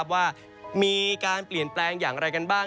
ว่ามีการเปลี่ยนแปลงอย่างไรกันบ้าง